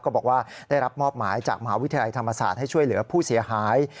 ก็บอกว่าได้รับมอบหมายจากมหาวิทยาลัยธรรมศาสตร์ให้ช่วยเหลือผู้เสียหาย